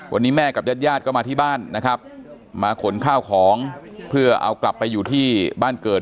วันนี้แม่กับญาติญาติก็มาที่บ้านนะครับมาขนข้าวของเพื่อเอากลับไปอยู่ที่บ้านเกิด